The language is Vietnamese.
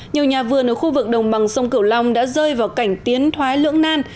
nhiều nhà vườn ở khu vực đồng bằng sông cửu long đã rơi vào cảnh tiến thoái lưỡng nan